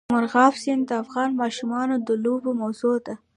مورغاب سیند د افغان ماشومانو د لوبو موضوع ده.